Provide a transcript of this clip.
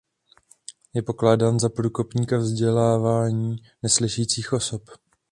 Je pokládán za průkopníka vzdělávání neslyšících osob.